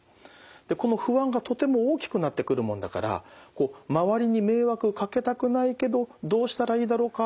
でこの不安がとても大きくなってくるもんだから周りに迷惑をかけたくないけどどうしたらいいだろうか。